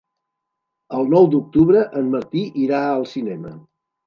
El nou d'octubre en Martí irà al cinema.